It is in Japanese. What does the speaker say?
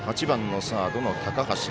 ８番、サードの高橋。